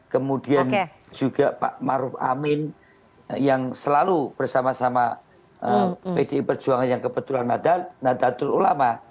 kemudian juga pak maruf amin yang selalu bersama sama pdi perjuangan yang kebetulan nadatul ulama